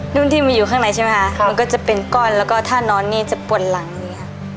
นุ่นที่มันอยู่ข้างในใช่ไหมครับมันก็จะเป็นก้อนแล้วก็ถ้านอนนี่จะปวดหลังอย่างนี้ครับ